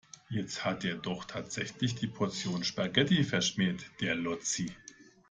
Jetzt hat er doch tatsächlich die Portion Spaghetti verschmäht, der Lotzi.